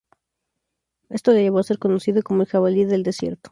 Esto le llevó a ser conocido como "el Jabalí del desierto".